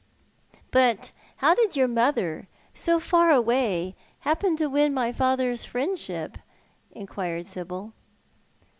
" But how did your mother, so far away, happen to win my father's friendship ?" inquired Sibyl.